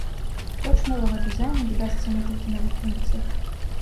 Апроч новага дызайну, дадасца некалькі новых функцый.